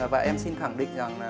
và em xin khẳng định rằng